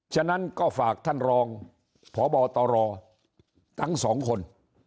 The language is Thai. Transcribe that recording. ฉะนั้นก็ฝากท่านรองพบตรทั้งสองคน